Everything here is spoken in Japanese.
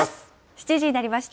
７時になりました。